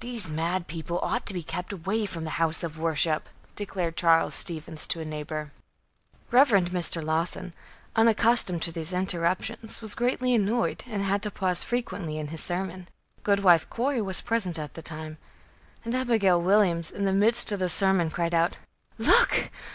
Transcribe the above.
"These mad people ought to be kept away from the house of worship," declared Charles Stevens to a neighbor. Rev. Mr. Lawson, unaccustomed to these interruptions, was greatly annoyed and had to pause frequently in his sermon. Goodwife Corey was present at the time, and Abigail Williams, in the midst of the sermon, cried out: "Look!